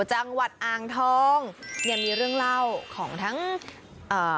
จังหวัดอ่างทองเนี่ยมีเรื่องเล่าของทั้งเอ่อ